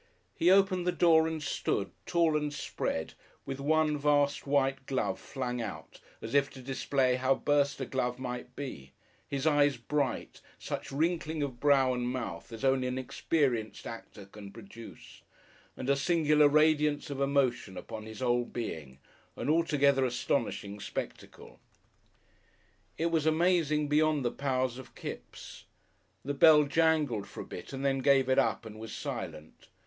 He opened the door and stood, tall and spread, with one vast white glove flung out as if to display how burst a glove might be, his eyes bright, such wrinkling of brow and mouth as only an experienced actor can produce, and a singular radiance of emotion upon his whole being, an altogether astonishing spectacle. It was amazing beyond the powers of Kipps. The bell jangled for a bit and then gave it up and was silent.